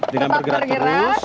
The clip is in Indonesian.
dengan bergerak terus